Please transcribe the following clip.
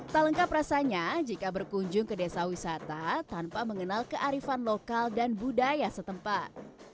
tak lengkap rasanya jika berkunjung ke desa wisata tanpa mengenal kearifan lokal dan budaya setempat